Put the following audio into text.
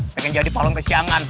pengen jadi palang ke siangan